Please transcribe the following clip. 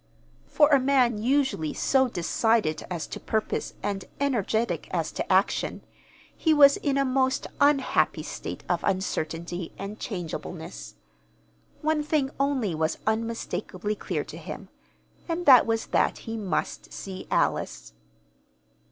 For a man usually so decided as to purpose and energetic as to action, he was in a most unhappy state of uncertainty and changeableness. One thing only was unmistakably clear to him, and that was that he must see Alice.